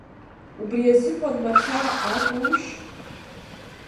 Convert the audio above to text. Убри азыҳәан мацара акәушь?